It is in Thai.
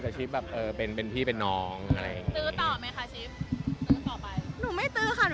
ชูใจไปกำลังที่พักไปใช้